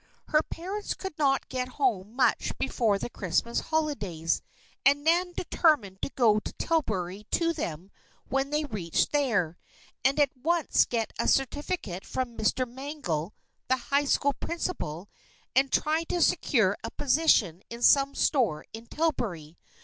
Her parents could not get home much before the Christmas holidays, and Nan determined to go to Tillbury to them when they reached there, and at once get a certificate from Mr. Mangel, the high school principal, and try to secure a position in some store in Tillbury.